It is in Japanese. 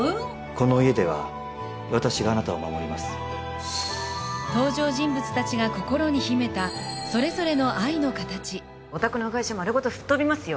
この家では私があなたを守ります登場人物達が心に秘めたそれぞれの愛の形お宅の会社丸ごと吹っ飛びますよ